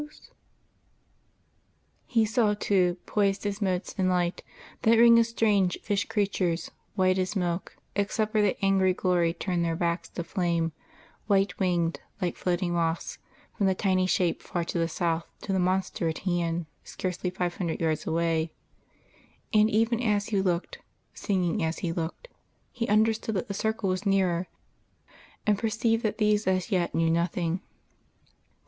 _ He saw, too, poised as motes in light, that ring of strange fish creatures, white as milk, except where the angry glory turned their backs to flame, white winged like floating moths, from the tiny shape far to the south to the monster at hand scarcely five hundred yards away; and even as he looked, singing as he looked, he understood that the circle was nearer, and perceived that these as yet knew nothing....